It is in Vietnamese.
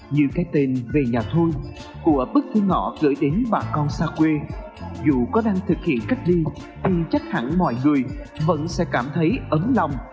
như cái tên về nhà thôi của bức thư ngõ gửi đến bà con xa quê dù có đang thực hiện cách ly nhưng chắc hẳn mọi người vẫn sẽ cảm thấy ấm lòng